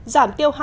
giảm tiêu hào